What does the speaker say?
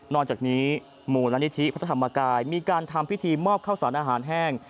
จากนี้มูลนิธิพระธรรมกายมีการทำพิธีมอบข้าวสารอาหารแห้ง